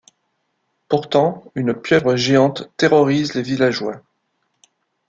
Pourtant, une pieuvre géante terrorise les villageois.